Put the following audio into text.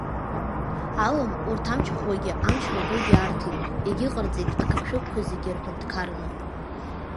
Алым, урҭ амч ӷәӷәагьы амчра дугьы арҭеит, иагьыҟарҵеит агыгшәыгқәа зегьы ирҳәынҭқарны.